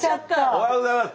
おはようございます。